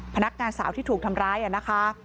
พนักงานสาวที่ถูกทำร้ายนะคะ